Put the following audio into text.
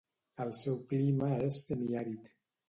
El seu clima és semiàrid.